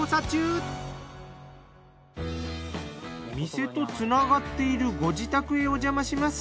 店とつながっているご自宅へおじゃまします。